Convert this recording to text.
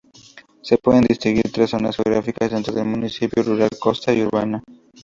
Se pueden distinguir tres zonas geográficas dentro del municipio: rural, costa y urbana.